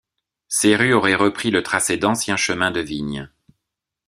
Ces rues auraient repris le tracé d’anciens chemins de vigne.